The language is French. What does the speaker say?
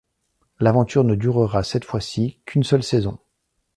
L'aventure ne durera cette fois-ci qu'une seule saison.